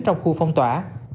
trong khu phong tỏa